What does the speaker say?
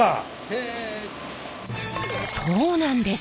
そうなんです。